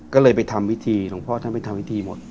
ก็เลยไปทำวิธีหลวงพ่อท่านไปทำพิธีหมด